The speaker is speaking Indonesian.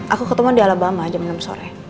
aku ketemu di alabama jam enam sore